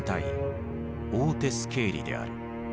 オーテス・ケーリである。